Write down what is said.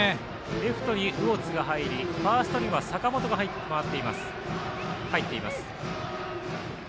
レフトに魚津が入りファーストには坂本が入っています。